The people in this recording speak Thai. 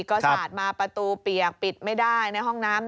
ก็สาดมาประตูเปียกปิดไม่ได้ในห้องน้ำ